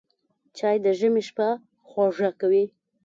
چای د ژمي شپه خوږه کوي